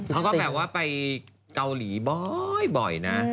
เขาก็แบบว่าไปเกาหลีบ่อยนะ